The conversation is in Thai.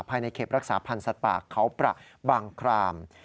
ในเข็บรักษาพันธ์สัตว์ป่าเขาประบางคราม